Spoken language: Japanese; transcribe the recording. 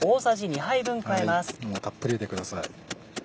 もうたっぷり入れてください。